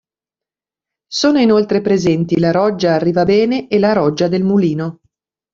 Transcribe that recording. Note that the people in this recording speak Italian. Sono inoltre presenti la roggia Arrivabene e la roggia del Mulino.